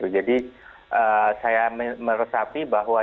jadi saya meresapi bahwa